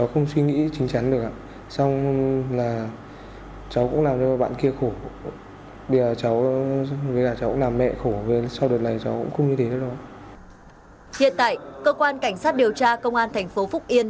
hiện tại cơ quan cảnh sát điều tra công an tp phúc yên